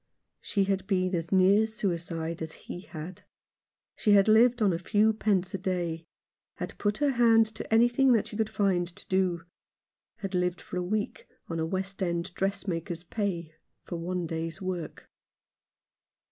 She had been as near suicide as he had. She had lived on a few pence a day ; had put her hand to anything that she could find to do ; had lived for a week on a West End dressmaker's pay for one day's work.